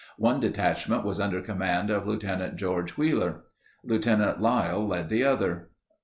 One detachment was under command of Lt. George Wheeler. Lt. Lyle led the other.